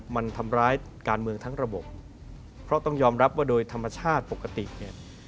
มันทำร้ายการเมืองทั้งระบบเพราะต้องยอมรับว่าโดยธรรมชาติปกติเนี่ย